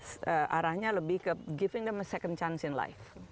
jadi arahnya lebih ke memberi mereka kesempatan kedua dalam hidup